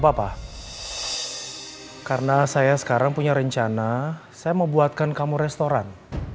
papa karena saya sekarang punya rencana saya mau buatkan kamu restoran